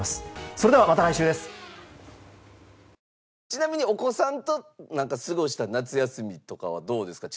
ちなみにお子さんと過ごした夏休みとかはどうですか？